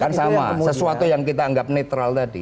kan sama sesuatu yang kita anggap netral tadi